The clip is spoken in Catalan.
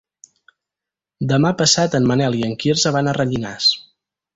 Demà passat en Manel i en Quirze van a Rellinars.